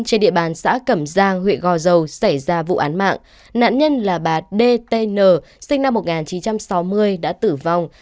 trên địa bàn xã cẩm giang huyện gò dầu xảy ra vụ án mạng nạn nhân là bà dtn sinh năm một nghìn chín trăm sáu mươi đã tử vong